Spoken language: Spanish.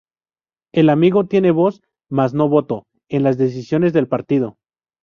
El "amigo" tiene voz, mas no voto, en las decisiones del partido.